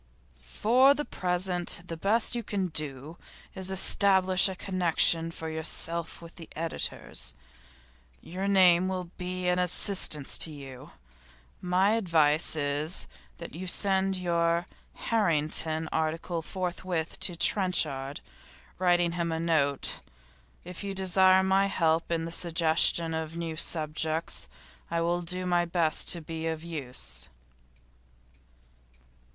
'For the present the best you can do is to establish a connection for yourself with editors. Your name will be an assistance to you. My advice is, that you send your "Harrington" article forthwith to Trenchard, writing him a note. If you desire my help in the suggestion of new subjects, I will do my best to be of use.